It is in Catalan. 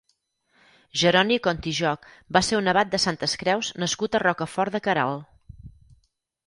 Jeroni Contijoc va ser un abat de Santes Creus nascut a Rocafort de Queralt.